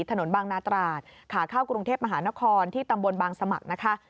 ถนนบางนาตราดขาเข้ากรุงเทพมหานครที่ตำบลบางสมัครนะคะ